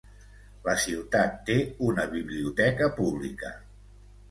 La ciutat té una biblioteca pública.